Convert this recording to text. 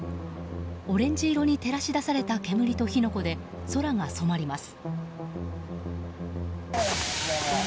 オレンジ色に照らし出された煙と火の粉で空が染まります。